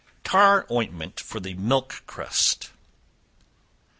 Tar Ointment for the "Milk Crust."